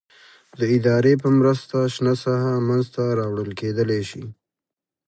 د ادارې په مرسته شنه ساحه منځته راوړل کېدلای شي.